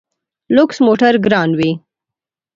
لوکس موټر ګران وي.